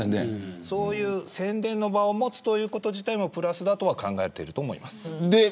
そういう宣伝の場を持つこと自体もプラスだとは考えていると思います。